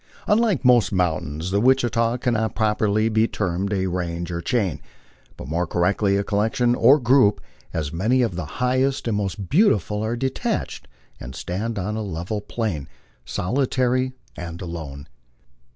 Unlike most mountains, the Wichita cannot properly be termed a range or chain, but more correctly a collection or group, as many of the highest and most beautiful are detached, and stand on a level plain "solitary and alone."